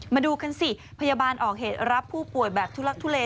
มาดูกันสิพยาบาลออกเหตุรับผู้ป่วยแบบทุลักทุเล